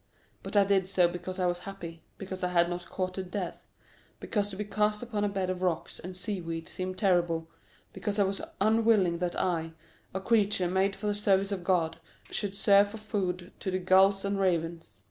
But I did so because I was happy, because I had not courted death, because to be cast upon a bed of rocks and seaweed seemed terrible, because I was unwilling that I, a creature made for the service of God, should serve for food to the gulls and ravens.